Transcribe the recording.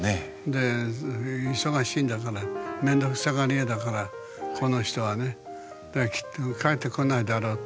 で忙しいんだからめんどくさがり屋だからこの人はねだからきっと返ってこないだろうと。